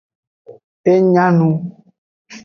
E nya nu.